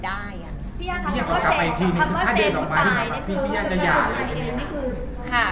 พี่ย่ากันก็เต็มถ้าเด็นออกมาได้พี่ย่าจะอยาก